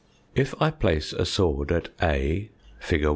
If I place a sword at A, fig.